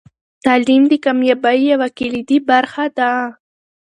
تعلیم د کامیابۍ یوه کلیدي برخه ده.